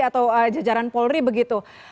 atau jajaran polri begitu